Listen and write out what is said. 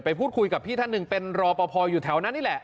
พูดคุยกับพี่ท่านหนึ่งเป็นรอปภอยู่แถวนั้นนี่แหละ